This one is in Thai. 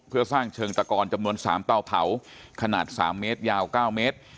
เพื่อสร้างเชิงตะกอนจำนวน๓เตาเผาขนาด๓เมตรยาว๙เมตร